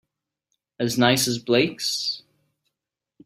As nice as Blake's?